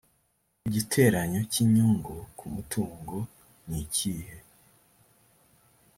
igiteranyo cy inyungu kumutungo nikihe